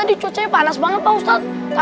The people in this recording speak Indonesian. kita batal puasa